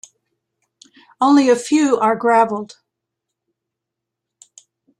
Only a few are graveled.